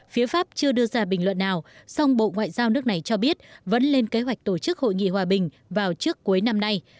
phía pháp chưa đưa ra bình luận nào song bộ ngoại giao nước này cho biết vẫn lên kế hoạch tổ chức hội nghị hòa bình vào trước cuối năm nay